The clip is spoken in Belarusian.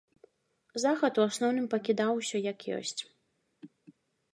Захад у асноўным пакідаў усё як ёсць.